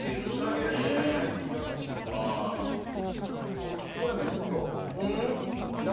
こう聞くと何かちょっとんっ？